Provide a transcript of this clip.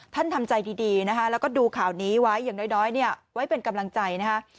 ทำใจดีนะคะแล้วก็ดูข่าวนี้ไว้อย่างน้อยเนี่ยไว้เป็นกำลังใจนะคะ